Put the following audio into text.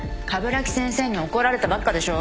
鏑木先生に怒られたばっかでしょ。